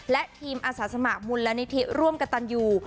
และทีมอาสาสมะมุลและนิทิศร่วมกับตันอยู่